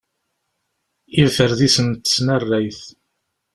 Iferdisen n tesnarrayt.